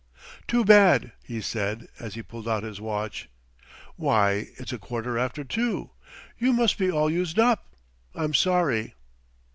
"Too bad," he said, as he pulled out his watch. "Why, it's a quarter after two. You must be all used up. I'm sorry."